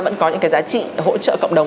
vẫn có những cái giá trị hỗ trợ cộng đồng